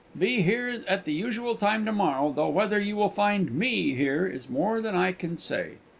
Be here at the usual time to morrow, though whether you will find me here is more than I can say."